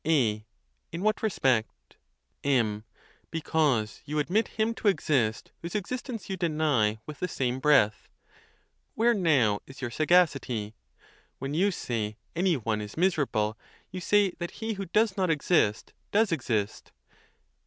A. In what respect? M. Because you admit him to exist whose existence you deny with the same breath. Where now is your sagacity? When you say any one is miserable, you say that he who does not exist, does exist.